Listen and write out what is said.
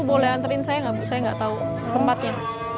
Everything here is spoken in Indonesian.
boleh anterin saya nggak bisa nggak tahu tempatnya